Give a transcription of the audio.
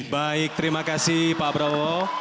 baik terima kasih pak prabowo